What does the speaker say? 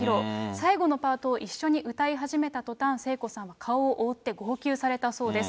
最後のパートを一緒に歌い始めたとたん、聖子さんは顔を覆って、号泣されたそうです。